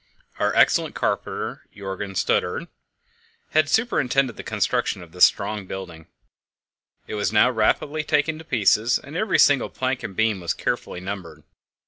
Our excellent carpenter Jörgen Stubberud had superintended the construction of this strong building. It was now rapidly taken to pieces, and every single plank and beam was carefully numbered.